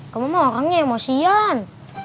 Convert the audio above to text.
kamu mah orangnya emosian